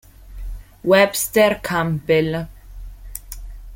Webster Campbell